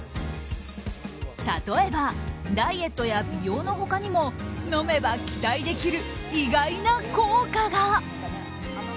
例えばダイエットや美容の他にも飲めば期待できる意外な効果が。